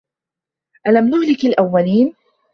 أَلَم نُهلِكِ الأَوَّلينَ